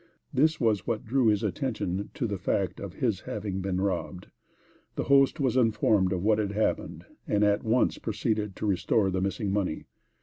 This was what drew his attention to the fact of his having been robbed. The host was informed of what had happened and at once proceeded to restore the missing money.